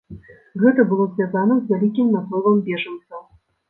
Гэта было звязана з вялікім наплывам бежанцаў.